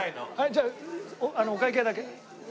じゃあお会計だけ。